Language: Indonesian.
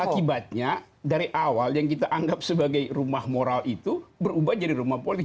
akibatnya dari awal yang kita anggap sebagai rumah moral itu berubah jadi rumah politik